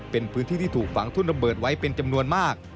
เป็นพื้นที่ที่ถูกฝังทุนระเบิดไว้เป็นจำนวนมาก